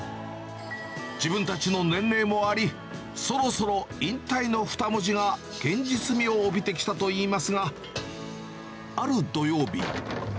自分たちの年齢もあり、そろそろ引退の二文字が現実味を帯びてきたといいますが、ある土曜日。